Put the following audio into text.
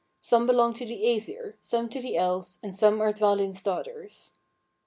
Some belong to the Æsir, some to the Elves, and some are Dvalin's daughters."